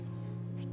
はい。